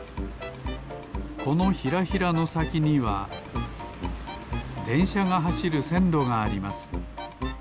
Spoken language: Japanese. このヒラヒラのさきにはでんしゃがはしるせんろがあります